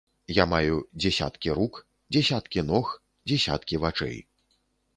Я маю дзесяткі рук, дзесяткі ног, дзесяткі вачэй.